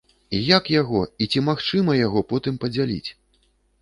І як яго, і ці магчыма яго потым падзяліць?